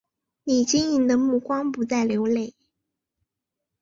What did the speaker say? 你晶莹的目光不再流泪